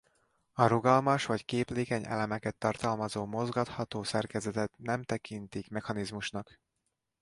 A rugalmas vagy képlékeny elemeket tartalmazó mozgatható szerkezetet nem tekintik mechanizmusnak.